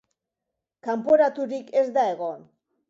Kanporaturik ez da egon.